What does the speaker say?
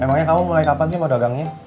emangnya kamu mulai kapan sih mau dagangnya